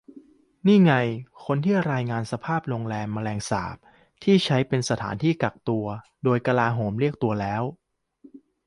นี่ไง คนที่รายงานสภาพ"โรงแรมแมลงสาบ" ที่ใช้เป็นสถานที่กักตัว โดนกลาโหมเรียกตัวแล้ว